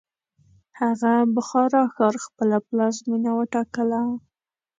هغه بخارا ښار خپله پلازمینه وټاکله.